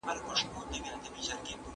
منځګړي بايد د څه سي په اړه بحث وکړي؟